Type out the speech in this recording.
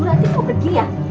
suratnya mau pergi ya